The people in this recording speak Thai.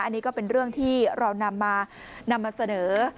อันนี้ก็เป็นเรื่องที่เรานำมานำมาเสนอ